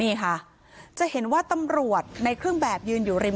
นี่ค่ะจะเห็นว่าตำรวจในเครื่องแบบยืนอยู่ริม